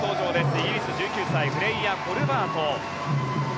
イギリス、１９歳フレイア・コルバート。